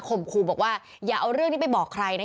ครูบอกว่าอย่าเอาเรื่องนี้ไปบอกใครนะ